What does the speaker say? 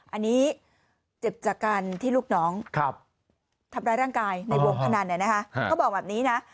อันนี้เจ็บจากการที่ลูกน้องทำร้ายร่างกายในวงพนัน